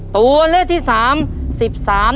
ตัวเลือกที่สาม